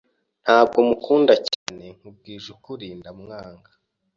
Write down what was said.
Ntabwo mukunda cyane. Nkubwije ukuri, ndamwanga.